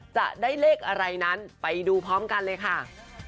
จะได้เลขอะไรนั้นไปดูพร้อมกันเลยค่ะ